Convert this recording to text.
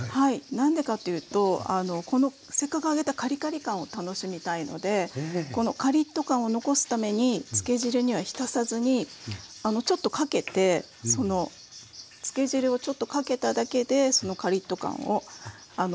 何でかっていうとこのせっかく揚げたカリカリ感を楽しみたいのでこのカリッと感を残すためにつけ汁には浸さずにちょっとかけてそのつけ汁をちょっとかけただけでそのカリッと感を楽しんで下さい。